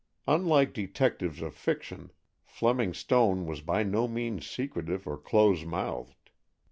Unlike detectives of fiction, Fleming Stone was by no means secretive or close mouthed.